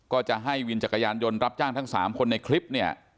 ก็จะให้วินจักรยานยนต์รับจ้างทั้ง๓คนในคลิปเนี่ย